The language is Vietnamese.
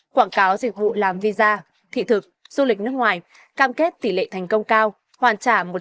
quảng cáo dịch vụ làm visa thị thực du lịch nước ngoài cam kết tỷ lệ thành công cao